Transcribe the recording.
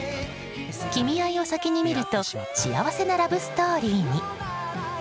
「君愛」を先に見ると幸せなラブストーリーに。